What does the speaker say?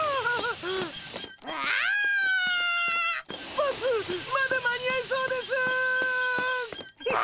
バスまだ間に合いそうです！